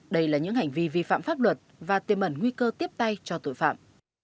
đây là những hành vi vi phạm pháp luật và tiềm ẩn nguy cơ tiếp tay cho tội phạm